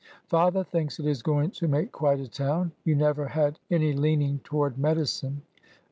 Father thinks it is going to make quite a town. You never had any leaning toward medicine."